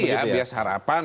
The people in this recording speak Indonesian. iya bias harapan